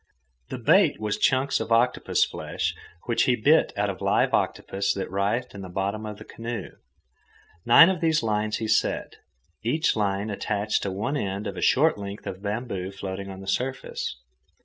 The bait was chunks of octopus flesh, which he bit out of a live octopus that writhed in the bottom of the canoe. Nine of these lines he set, each line attached to one end of a short length of bamboo floating on the surface.